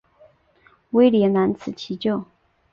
威廉难辞其咎。